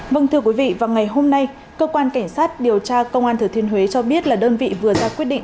vâng thưa quý vị vào ngày hôm nay cơ quan cảnh sát điều tra công an thừa thiên huế cho biết là đơn vị vừa ra quyết định